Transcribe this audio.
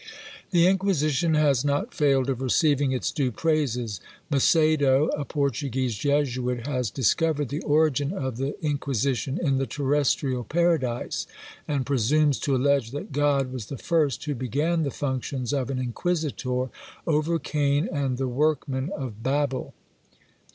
The Inquisition has not failed of receiving its due praises. Macedo, a Portuguese Jesuit, has discovered the "Origin of the Inquisition" in the terrestrial Paradise, and presumes to allege that God was the first who began the functions of an inquisitor over Cain and the workmen of Babel!